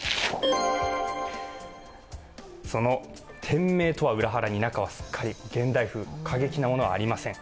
店名とは裏腹に中はすっかり現代風過激なものはありません。